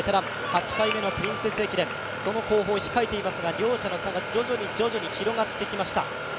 ８回目のプリンセス駅伝、その後方、控えていますが両者の差が徐々に広がってきました。